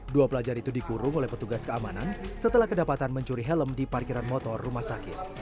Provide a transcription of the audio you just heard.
dua pelajar itu dikurung oleh petugas keamanan setelah kedapatan mencuri helm di parkiran motor rumah sakit